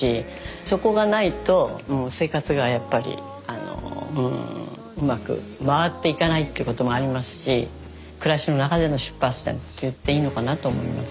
そこがないと生活がうまく回っていかないっていうこともありますし暮らしの中での出発点って言っていいのかなと思います。